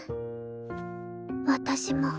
私も。